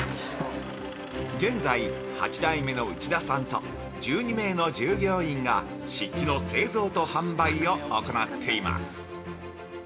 現在８代目の内田さんと１２名の従業員が漆器の製造と販売を行っています。